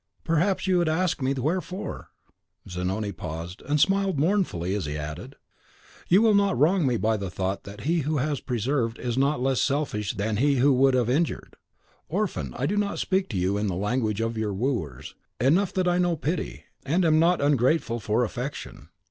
Perhaps you would ask me wherefore?" Zanoni paused, and smiled mournfully, as he added, "You will not wrong me by the thought that he who has preserved is not less selfish than he who would have injured. Orphan, I do not speak to you in the language of your wooers; enough that I know pity, and am not ungrateful for affection.